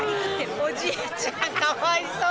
おじいちゃんかわいそう！